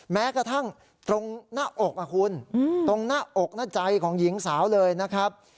แม้กระทั่งตรงหน้าอกคุณตรงหน้าอกหน้าใจของหญิงสาวเลยนะครับ